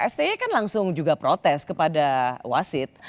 sti kan langsung juga protes kepada wasit